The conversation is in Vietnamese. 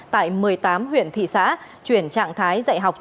tại một mươi tám huyện thị xã chuyển từ lớp một đến lớp sáu